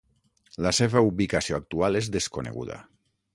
La seva ubicació actual és desconeguda.